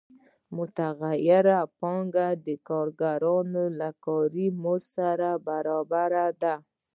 متغیره پانګه د کارګرانو له کاري مزد سره برابره ده